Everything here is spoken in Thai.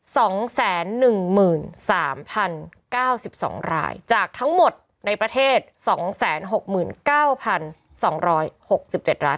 สองแสนหนึ่งหมื่นสามพันเก้าสิบสองรายจากทั้งหมดในประเทศสองแสนหกหมื่นเก้าพันสองร้อยหกสิบเจ็ดราย